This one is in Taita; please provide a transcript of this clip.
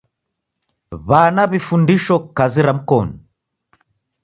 W'ana w'ifundisho kazi ra mikonu.